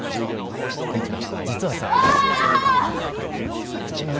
姉ちゃん実はさわあっ！